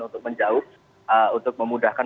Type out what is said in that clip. untuk menjauh untuk memudahkan